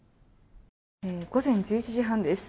午前１１時半です。